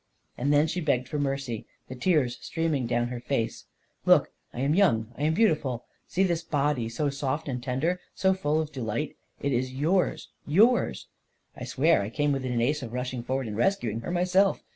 And then she begged for mercy, the tears stream ing down her face ..." Look — I am young — I am beautiful — see this body, so soft and tender — so full of delight — and it is yours — yours ..." I swear I came within an ace of rushing forward and rescuing her myself!